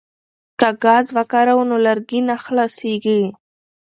که ګاز وکاروو نو لرګي نه خلاصیږي.